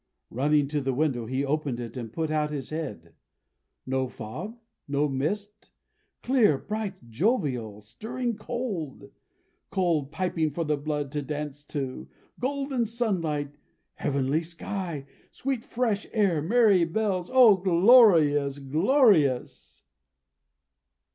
Running to the window, he opened it, and put out his head. No fog, no mist; clear, bright, jovial, stirring cold; cold, piping for the blood to dance to; golden sunlight; heavenly sky; sweet fresh air; merry bells. O, glorious, glorious!